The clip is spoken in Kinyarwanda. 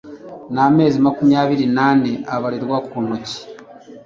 n amezi makumyabiri n ane abarirwa ku ntoki